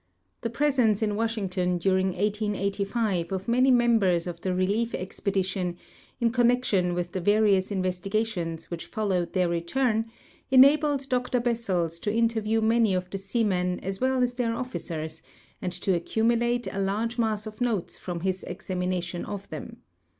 The presence in Washington during 1885 of man}^ members of the relief expedition, in connection with the various investigations Avhich followed their return, enabled Dr Bessels to interview many of the seamen as well as their officers and to ac cumulate a large mass of notes from his examination of them.